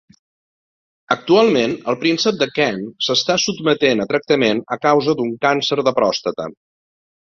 Actualment el príncep de Kent s'està sotmetent a tractament a causa d'un càncer de pròstata.